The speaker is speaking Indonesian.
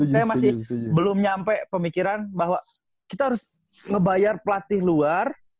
saya masih belum nyampe pemikiran bahwa kita harus ngebayar pelatih luar